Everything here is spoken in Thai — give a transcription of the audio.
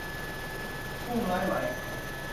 มุ่งร้ายหมายขวัญ